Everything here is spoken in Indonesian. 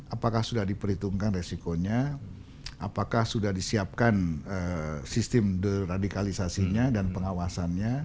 apakah sudah diperhitungkan resikonya apakah sudah disiapkan sistem deradikalisasinya dan pengawasannya